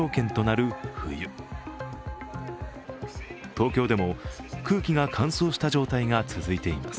東京でも空気が乾燥した状態が続いています。